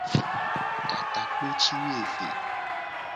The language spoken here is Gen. Ka takpo ci wo eve.